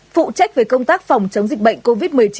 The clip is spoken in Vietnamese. phụ trách về công tác phòng chống dịch bệnh covid một mươi chín